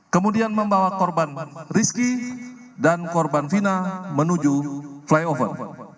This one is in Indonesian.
kemudian membawa korban rizky dan korban fina menuju flyover